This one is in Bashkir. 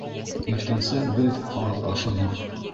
Иртәнсәк беҙ аҙ ашаныҡ